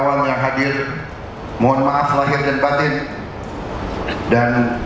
saya berterima kasih kepada anda